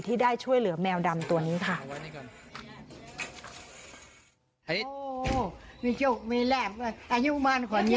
ที่ได้ช่วยเหลือแมวดำตัวนี้ค่ะ